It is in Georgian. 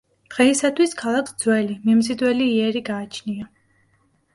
დღეისათვის ქალაქს ძველი, მიმზიდველი იერი გააჩნია.